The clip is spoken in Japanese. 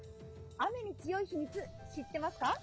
雨に強い秘密、知ってますか？